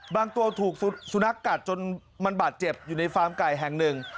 ตัวถูกสุนัขกัดจนมันบาดเจ็บอยู่ในฟาร์มไก่แห่งหนึ่ง